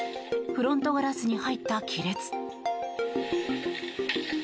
フロントガラスに入った亀裂。